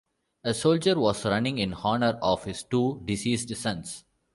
A soldier was running in honor of his two deceased sons.